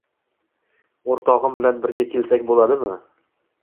O'rtog'im bilan birga kelsak bo'ladimi?